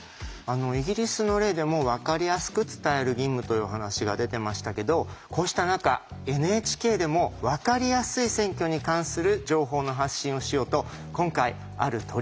イギリスの例でもわかりやすく伝える義務という話が出てましたけどこうした中ＮＨＫでもわかりやすい選挙に関する情報の発信をしようと今回ある取り組みを始めました。